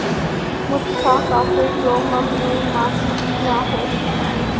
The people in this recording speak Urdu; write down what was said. مجھ سا کافر کہ جو ممنون معاصی نہ ہوا